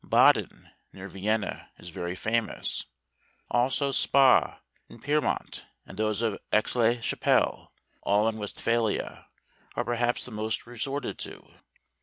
Baden, near Vienna, is very famous; also Spa, and Pyrmont, and those of Aix la Cliapelle, all in Westphalia, are perhaps the most resorted to.